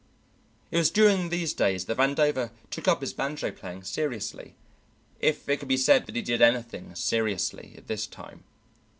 It was during these days that Vandover took up his banjo playing seriously, if it could be said that he did anything seriously at this time.